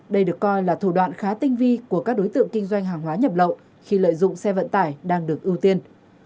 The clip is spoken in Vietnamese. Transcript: đây được coi là thủ đoạn khá tinh vi của các đối tượng kinh doanh hàng hóa nhập lậu khi lợi dụng xe vận tải đang được ưu tiên